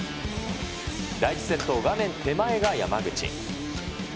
第１セット、画面手前が山口。